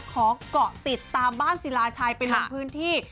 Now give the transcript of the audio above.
ขอกะติดตามบ้านซีราชัยเป็นบรรพื้นที่